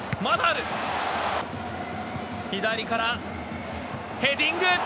左からヘディング！